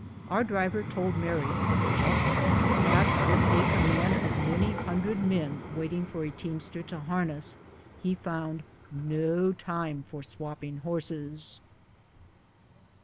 Our driver told Mary, with a chuckle, that with a command of many hundred men waiting for a teamster to harness, he found " no time for swapping horses."